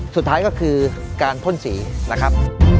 สุดท้ายก็คือการพ่นสีนะครับ